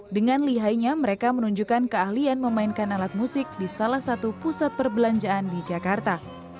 dengan lihainya mereka menunjukkan keahlian memainkan alat musik di salah satu pusat perbelanjaan di jakarta